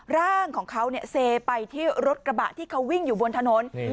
ร่างของเขาเนี่ยเซไปที่รถกระบะที่เขาวิ่งอยู่บนถนน